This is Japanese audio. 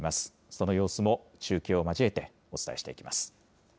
その様子も中継を交えてお伝えしていきます。